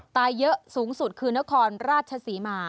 ตายเยอะสูงสุดคือนครราชศรีมา